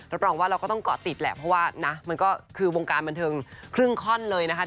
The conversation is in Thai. รองว่าเราก็ต้องเกาะติดแหละเพราะว่านะมันก็คือวงการบันเทิงครึ่งข้อนเลยนะคะ